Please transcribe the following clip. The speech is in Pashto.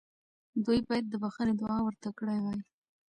دوی باید د بخښنې دعا ورته کړې وای.